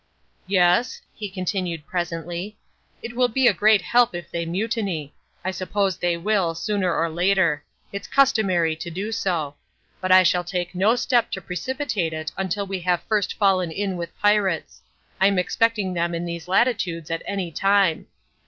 "Yes," he continued presently, "it will be a great help if they mutiny. I suppose they will, sooner or later. It's customary to do so. But I shall take no step to precipitate it until we have first fallen in with pirates. I am expecting them in these latitudes at any time.